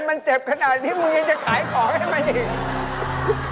มันเจ็บขนาดนี้มึงยังจะขายของให้มันอีก